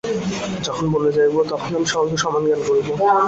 যখন বনে যাইব, তখন আমি সকলকে সমান জ্ঞান করিব।